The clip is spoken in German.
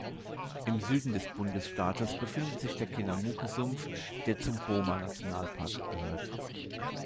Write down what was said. Im Süden des Bundesstaates befindet sich der Kenamuke-Sumpf, der zum Boma-Nationalpark gehört.